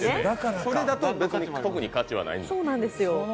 それだと特に価値はないという。